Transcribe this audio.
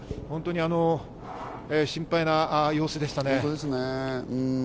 本当に心配な様子でしたね。